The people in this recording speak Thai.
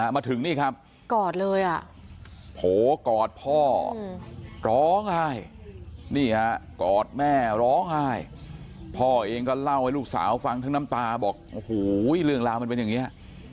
มาถึงนี่ครับกอดเลย